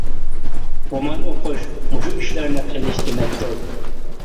رومان ئوقۇش مۇشۇ ئىشلارنى قىلىش دېمەكتۇر.